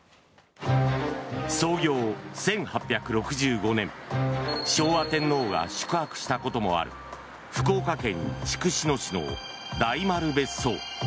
創業１８６５年昭和天皇が宿泊したこともある福岡県筑紫野市の大丸別荘。